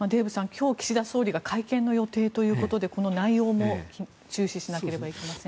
今日、岸田総理が会見の予定ということでこの内容も注視しなければいけませんね。